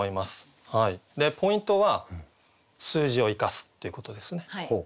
ポイントは「数字を生かす」っていうことですね。